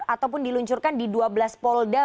ataupun diluncurkan di dua belas polda